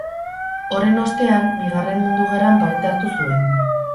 Horren ostean, Bigarren Mundu Gerran parte hartu zuen.